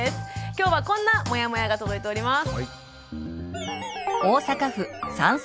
今日はこんなモヤモヤが届いております。